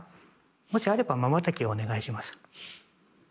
もしあればまばたきをお願いします。